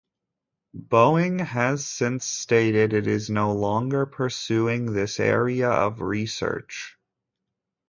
Boeing has since stated it is no longer pursuing this area of research.